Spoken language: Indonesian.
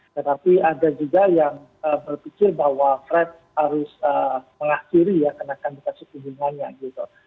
tetapi ada juga yang berpikir bahwa fred harus mengakhiri ya kenaikan tingkat suku bunganya gitu